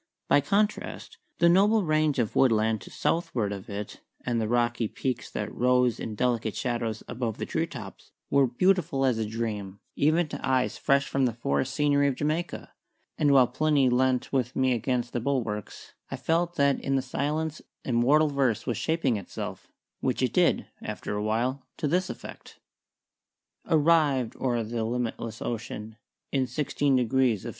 By contrast, the noble range of woodland to southward of it and the rocky peaks that rose in delicate shadow above the tree tops were beautiful as a dream, even to eyes fresh from the forest scenery of Jamaica; and while Plinny leant with me against the bulwarks, I felt that in the silence immortal verse was shaping itself, which it did after a while to this effect "Arrived o'er the limitless ocean In 16 degrees of N.